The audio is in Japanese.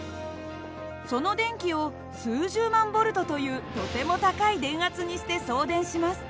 その電気を数十万Ｖというとても高い電圧にして送電します。